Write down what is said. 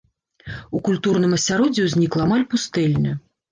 У культурным асяроддзі ўзнікла амаль пустэльня.